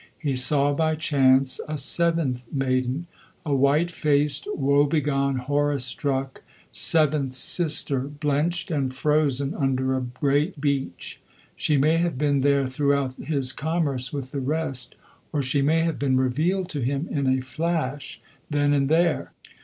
He saw by chance a seventh maiden a white faced, woe begone, horror struck Seventh Sister, blenched and frozen under a great beech. She may have been there throughout his commerce with the rest, or she may have been revealed to him in a flash then and there.